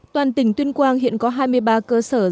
toàn tỉnh tuyên quang hiện có hai mươi ba cơ sở gieo ươm